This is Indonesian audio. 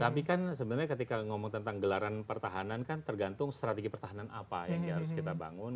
tapi kan sebenarnya ketika ngomong tentang gelaran pertahanan kan tergantung strategi pertahanan apa yang harus kita bangun